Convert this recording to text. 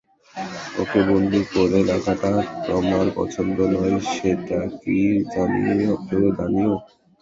ওকে বন্দি করে রাখাটা তোমার পছন্দ নয় সেটা তো জানিই!